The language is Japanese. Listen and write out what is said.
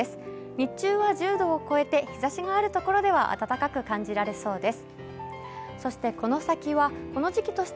日中は１０度を超えて日ざしがあるところでは暖かく感じられそうです。